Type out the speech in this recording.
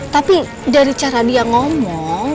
tapi dari cara dia ngomong